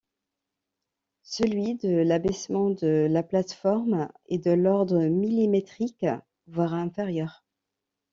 Celui de l'abaissement de la plateforme est de l'ordre millimétrique voir inférieur.